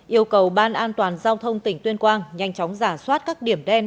yêu cầu ban an toàn giao thông tỉnh tuyên quang nhanh chóng giả soát các điểm đen